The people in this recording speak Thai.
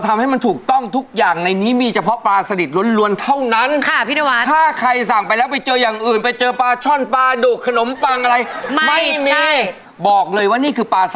แต่เห็นคนทุกคนลำเลือกก็บอกโอ้โหใส่อะไรขนาดนั้นชิ้นใหญ่ชิ้นต่อ